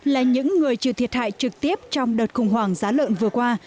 là những người chịu thiệt hại trực tiếp trong đợt khủng hoảng giá lợn vừa qua